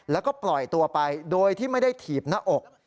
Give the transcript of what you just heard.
แล้วก็ปล่อยตัวไปโดยที่ไม่ได้ถีบหน้าอก